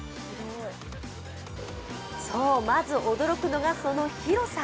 そう、まず驚くのが、その広さ。